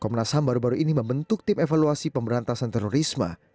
komnas ham baru baru ini membentuk tim evaluasi pemberantasan terorisme